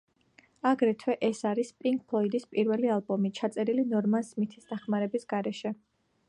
აგრეთვე ეს არის პინკ ფლოიდის პირველი ალბომი, ჩაწერილი ნორმან სმითის დახმარების გარეშე.